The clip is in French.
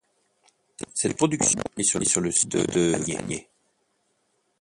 Cette production est sur le site de Vagney.